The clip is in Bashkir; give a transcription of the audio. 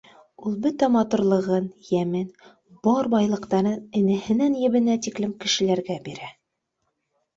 Ул бөтә матурлығын, йәмен, бар байлыҡтарын энәһенән-ебенә тиклем кешеләргә бирә